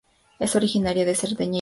Es originaria de Cerdeña e Italia.